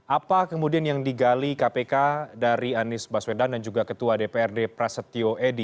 apa kemudian yang digali kpk dari anies baswedan dan juga ketua dprd prasetyo edy